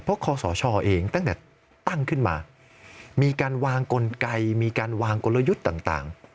เพราะคอสชเองตั้งแต่ตั้งขึ้นมามีการวางกลไกมีการวางกลยุทธ์ต่าง